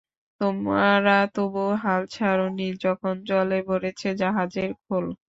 তোমরা তবু হাল ছাড় নি যখন জলে ভরেছে জাহাজের খোল।